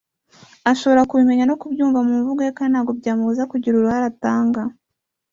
ashobora kubimenya no kubyumva mu mvugo ye kandi ntabwo byamubuza kugira uruhare atanga